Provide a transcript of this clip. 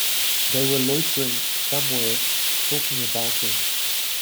They were loitering somewhere, talking about him.